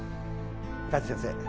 加地先生